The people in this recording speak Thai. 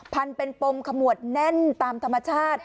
พันเป็นปมขมวดแน่นตามธรรมชาติ